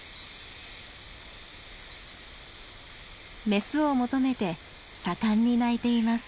メスを求めて盛んに鳴いています。